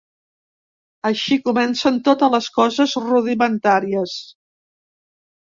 Així comencen totes les coses rudimentàries.